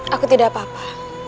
aku tidak apa apa